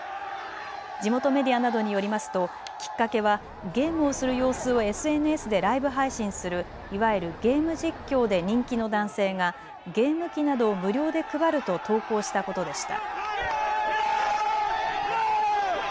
地元メディアなどによりますときっかけはゲームをする様子をＳＮＳでライブ配信するいわゆるゲーム実況で人気の男性がゲーム機などを無料で配ると投稿したことでした。